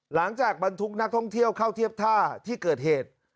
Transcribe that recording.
บรรทุกนักท่องเที่ยวเข้าเทียบท่าที่เกิดเหตุ